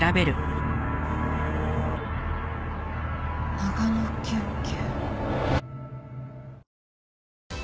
長野県警。